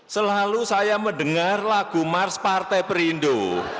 selalu saya mendengar lagu mars partai perindo